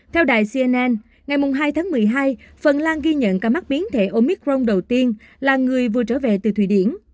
theo đài cnn ngày hai tháng một mươi hai phần lan ghi nhận ca mắc biến thể omicron đầu tiên là người vừa trở về từ thụy điển